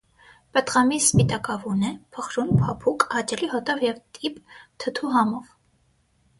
Պտղամիսն սպիտակավուն է, փխրուն՝ փափուկ, հաճելի հոտով և տիպ, թթու համով։